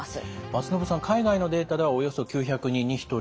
松延さん海外のデータではおよそ９００人に１人。